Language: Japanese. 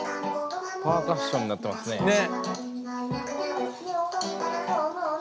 パーカッションになってますね。